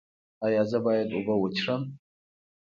ایا زه باید اوبه وڅښم؟